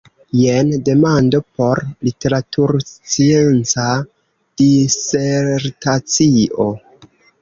Jen demando por literaturscienca disertacio.